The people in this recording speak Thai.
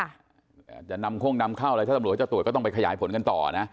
อาจจะนำโค้งนำเข้าอะไรถ้าตำรวจเขาจะตรวจก็ต้องไปขยายผลกันต่อนะ